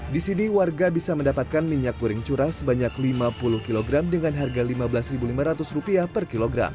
di sini warga bisa mendapatkan minyak goreng curah sebanyak lima puluh kg dengan harga rp lima belas lima ratus per kilogram